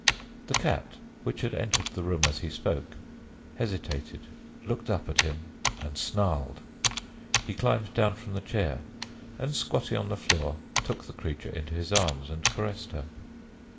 The cat, which had entered the room as he spoke, hesitated, looked up at him and snarled. He climbed down from the chair and squatting on the floor, took the creature into his arms and caressed her.